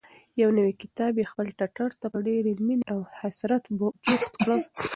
یو نوی کتاب یې خپل ټټر ته په ډېرې مینې او حسرت جوخت کړ.